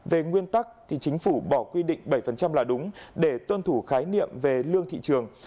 về nguyên tắc thì chính phủ bỏ quy định bảy là đúng để tuân thủ khái niệm về lương thị trường